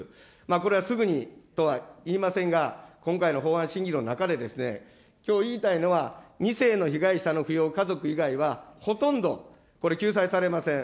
これはすぐにとは言いませんが、今回の法案審議の中で、きょう言いたいのは２世の被害者の扶養家族以外は、ほとんど救済されません。